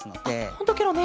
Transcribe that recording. ほんとケロね。